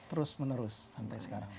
terus menerus sampai sekarang